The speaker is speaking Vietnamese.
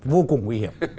vô cùng nguy hiểm